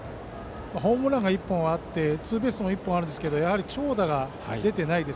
ホームランが１本あってツーベースも１本あるんですがやはり長打が出ていないので。